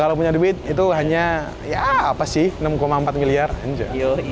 kalau punya duit itu hanya apa sih enam empat miliar